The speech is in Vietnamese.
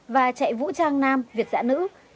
và chạy vũ trang nam việt giã nữ